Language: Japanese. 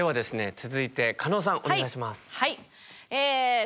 続いて加納さんお願いします。